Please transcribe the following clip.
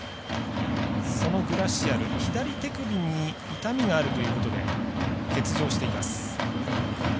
そのグラシアル、左手首に痛みがあるということで欠場しています。